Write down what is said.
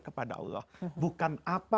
kepada allah bukan apa